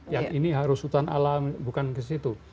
yang ini harus hutan alam bukan ke situ